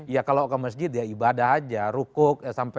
ya kalau ke masjid ya ibadah aja rukuk sampai